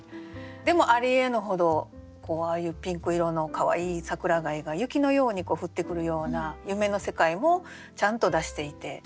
でも「あり得ぬほど」ああいうピンク色のかわいい桜貝が雪のように降ってくるような夢の世界もちゃんと出していて。